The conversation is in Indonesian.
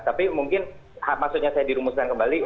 tapi mungkin maksudnya saya dirumuskan kembali